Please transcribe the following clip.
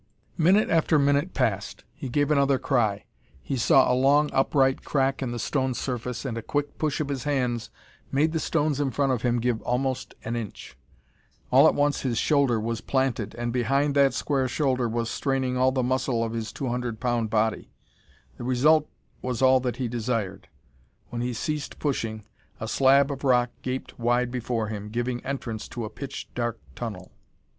Minute after minute passed. He gave another cry. He saw a long, upright crack in the stone surface, and a quick push of his hands made the stones in front of him give almost an inch. All at once his shoulder was planted, and behind that square shoulder was straining all the muscle of his two hundred pound body. The result was all that he desired. When he ceased pushing, a slab of rock gaped wide before him, giving entrance to a pitch dark tunnel.